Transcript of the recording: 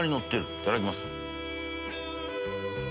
いただきます。